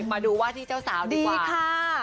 มาดูวาดที่เจ้าสาวดีกว่า